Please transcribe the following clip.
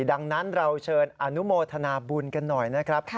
ดังนั้นเราเชิญอนุโมทนาบุญกันหน่อยนะครับ